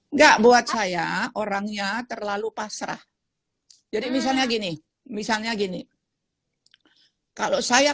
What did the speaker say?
enggak buat saya orangnya terlalu pasrah jadi misalnya gini misalnya gini kalau saya